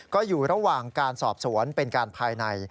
ก็อยู่ระหว่างการสอบสวนเป็นการภายใน